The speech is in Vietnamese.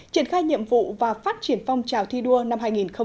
triển khai nhiệm vụ và phát triển phong trào thi đua năm hai nghìn một mươi chín